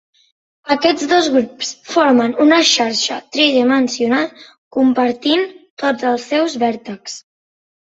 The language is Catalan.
Aquests dos grups formen una xarxa tridimensional compartint tots els seus vèrtexs.